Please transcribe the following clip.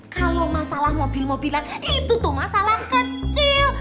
kalau masalah mobil mobilan itu tuh masalah kecil